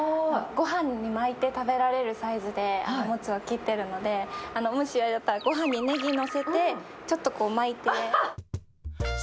ごはんに巻いて食べられるサイズでもつを切ってるので、もしあれだったら、ごはんにねぎ載せて、ちょっと巻いてね。